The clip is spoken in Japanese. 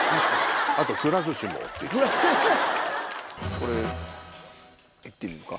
これいってみるか？